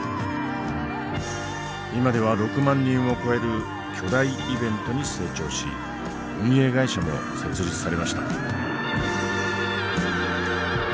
今では６万人を超える巨大イベントに成長し運営会社も設立されました。